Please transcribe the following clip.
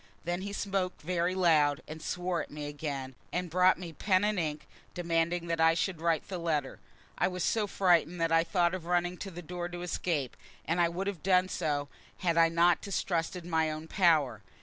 Then he spoke very loud, and swore at me again, and brought me pen and ink, demanding that I should write the letter. I was so frightened that I thought of running to the door to escape, and I would have done so had I not distrusted my own power.